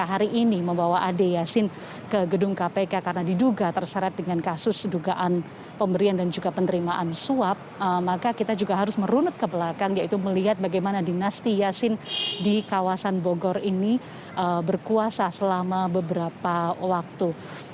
hari ini membawa ade yasin ke gedung kpk karena diduga terseret dengan kasus dugaan pemberian dan juga penerimaan suap maka kita juga harus merunut ke belakang yaitu melihat bagaimana dinasti yasin di kawasan bogor ini berkuasa selama beberapa waktu